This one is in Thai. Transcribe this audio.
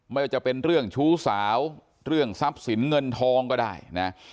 ไม่ว่าจะเป็นเรื่องชู้สาวเรื่องทรัพย์สินเงินทองก็ได้นะ